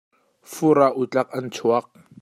Fur ah utlak an chuak.